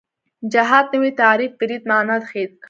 جهاد نوی تعریف برید معنا ښندله